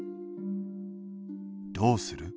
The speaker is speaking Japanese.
どうする？